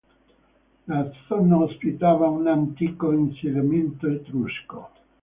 La zona ospitava un antico insediamento etrusco.